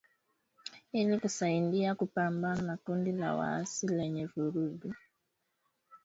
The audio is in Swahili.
ili kusaidia kupambana na kundi la waasi lenye vurugu linalojulikana kama